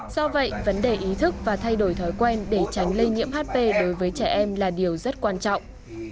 do vậy vấn đề ý thức và thay đổi thói quen để tránh lây nhiễm hp đối với trẻ em là điều rất quan trọng